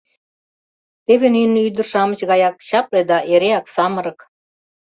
Теве нине ӱдыр-шамыч гаяк чапле да эреак самырык.